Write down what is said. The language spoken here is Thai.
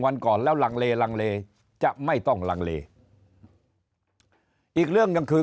วันก่อนแล้วลังเลลังเลจะไม่ต้องลังเลอีกเรื่องหนึ่งคือ